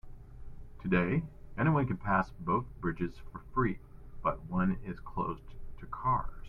Today, anyone can pass both bridges for free, but one is closed to cars.